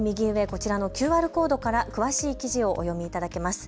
こちらのＱＲコードから詳しい記事をお読みいただけます。